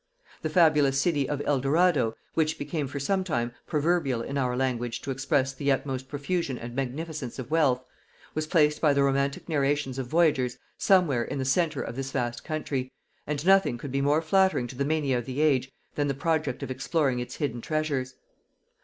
The fabulous city of El Dorado, which became for some time proverbial in our language to express the utmost profusion and magnificence of wealth, was placed by the romantic narrations of voyagers somewhere in the centre of this vast country, and nothing could be more flattering to the mania of the age than the project of exploring its hidden treasures.